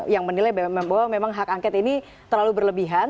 yang menilai bahwa memang hak angket ini terlalu berlebihan